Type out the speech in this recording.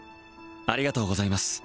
ありがとうございます